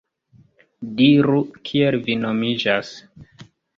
Diru, kiel vi nomiĝas?